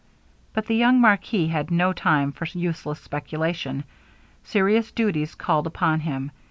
But the young marquis had no time for useless speculation serious duties called upon him.